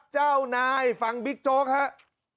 เจ้านายฟังบิ๊กโจ๊กครับ